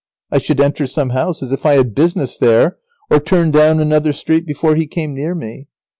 I should enter some house as if I had business there, or turn down another street before he came near me.